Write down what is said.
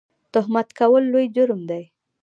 تهمت کول لوی جرم دی